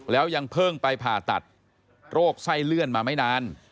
แล้วยังเพิ่งไปผ่าตัดโรคไส้เลื่อนมาไม่นาน